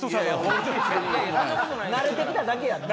慣れてきただけやん。